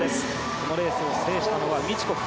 このレースを制したのはミチュコフ。